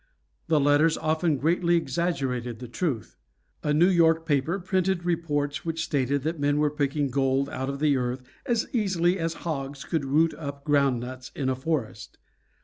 The letters often greatly exaggerated the truth. A New York paper printed reports which stated that men were picking gold out of the earth as easily as hogs could root up groundnuts in a forest.